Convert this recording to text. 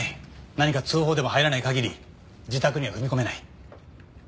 何か通報でも入らない限り自宅には踏み込めない。